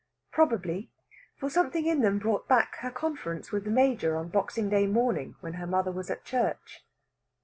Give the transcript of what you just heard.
Probably, for something in them brought back her conference with the Major on Boxing Day morning when her mother was at church.